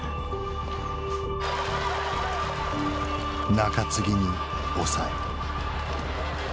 中継ぎに抑え。